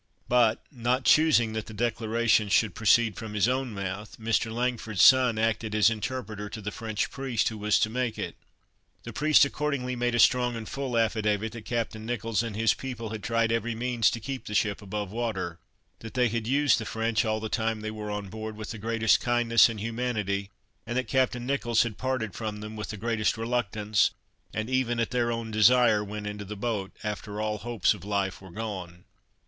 But, not choosing that the declaration should proceed from his own mouth, Mr. Langford's son acted as interpreter to the French priest, who was to make it. The priest accordingly made a strong and full affidavit, that Captain Nicholls and his people had tried every means to keep the ship above water; that they had used the French all the time they were on board, with the greatest kindness and humanity, and that Captain Nicholls had parted from them with the greatest reluctance, and even at their own desire went into the boat, after all hopes of life were gone.